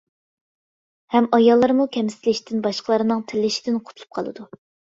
ھەم ئاياللارمۇ كەمسىتىلىشتىن باشقىلارنىڭ تىللىشىدىن قۇتۇلۇپ قالىدۇ.